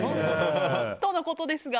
とのことですが。